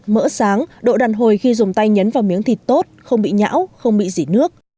mỡ sáng độ đàn hồi khi dùng tay nhấn vào miếng thịt tốt không bị nhão không bị dỉ nước